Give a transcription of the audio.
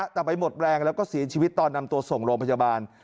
แต่ไปหมดแรงแล้วก็เสียชีวิตตอนนำตัวส่งโรงพยาบาล